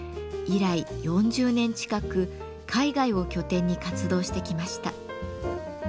以来４０年近く海外を拠点に活動してきました。